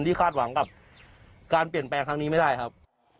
คาดหวังกับการเปลี่ยนแปลงครั้งนี้ไม่ได้ครับ